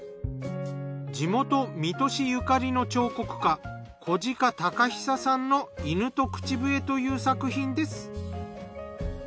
地元水戸市ゆかりの彫刻家小鹿尚久さんの『犬と口笛』という作品です。